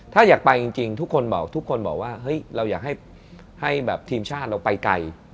ถ้าอยากไปจริงทุกคนบอกว่าเราอยากให้ทีมชาติเราไปไกล